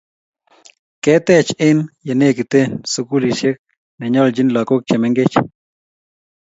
Ketech eng ye negite sukulisiek ne nyolchin lagok che mengech